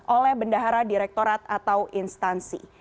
oleh bendahara direktorat atau instansi